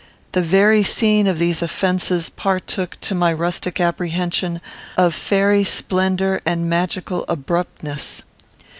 The very scene of these offences partook, to my rustic apprehension, of fairy splendour and magical abruptness.